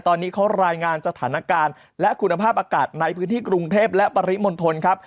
ตอนนี้เขารายงานสถานการณ์และคุณภาพอากาศในพื้นที่กรุงเทพและปริมณฑลครับ